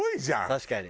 確かに。